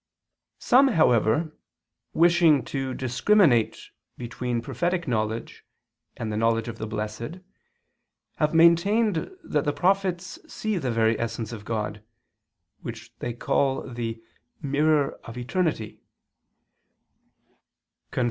Some, however, wishing to discriminate between prophetic knowledge and the knowledge of the blessed, have maintained that the prophets see the very essence of God (which they call the "mirror of eternity") [*Cf.